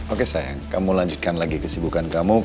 oke sayang kamu lanjutkan lagi kesibukan kamu